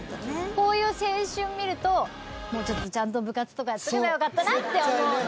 こういう青春を見るともうちょっとちゃんと部活とかやっておけばよかったなって思うの。